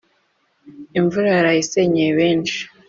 Imvura yaraye isenyeye benshi